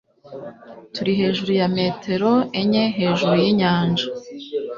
Turi hejuru ya metero enye hejuru yinyanja